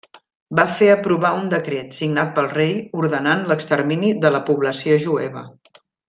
Va fer aprovar un decret, signat pel rei, ordenant l'extermini de la població jueva.